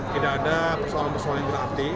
tidak ada persoalan persoalan yang berarti